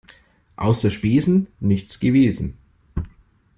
Außer Spesen nichts gewesen.